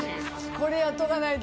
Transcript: これやっとかないと。